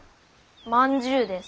まんじゅうです。